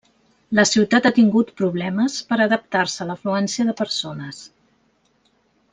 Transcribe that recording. La ciutat ha tingut problemes per adaptar-se a l'afluència de persones.